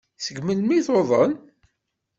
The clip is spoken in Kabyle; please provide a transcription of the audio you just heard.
Seg melmi ay tuḍen?